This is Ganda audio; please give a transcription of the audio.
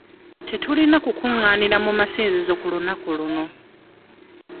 Tetulina kukungaanira mu masinzizo ku lunaku luno.